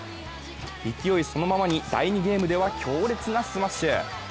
勢いそのままに第２ゲームでは強烈なスマッシュ。